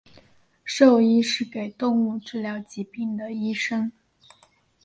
兽医是给动物治疗疾病的医生。